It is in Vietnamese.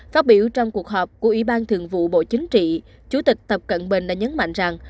phát biểu trong cuộc họp của ủy ban thường vụ bộ chính trị chủ tịch tập cận bình đã nhấn mạnh rằng